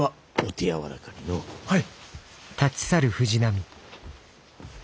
はい！